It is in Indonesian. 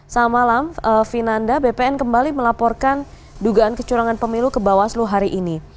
selamat malam vinanda bpn kembali melaporkan dugaan kecurangan pemilu ke bawaslu hari ini